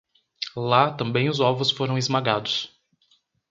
Lá também os ovos foram esmagados.